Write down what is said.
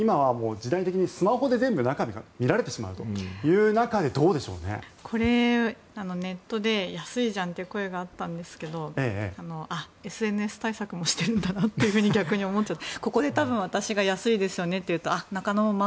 今はスマホで全部見られてしまうという中でこれ、ネットで安いじゃんという声があったんですけどＳＮＳ対策もしているんだなって逆に思っちゃって。